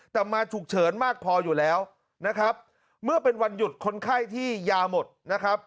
แต่มาฉุกเฉินมากพออยู่แล้วนะครับเมื่อเป็นวันหยุดคนไข้ที่ยาหมดนะครับ